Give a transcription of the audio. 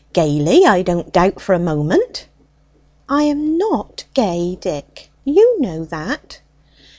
Gaily, I don't doubt for a moment." "I am not gay, Dick; you know that."